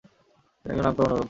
তিনি একজন নামকরা অনুবাদক ছিলেন।